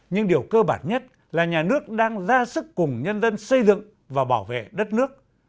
nhưng điều cơ bản nhất là nhà nước đang ra sức cùng nhân dân xây dựng và bảo vệ đất nước